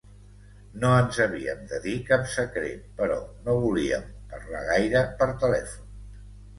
No ens havíem de dir cap secret, però no volíem parlar gaire per telèfon.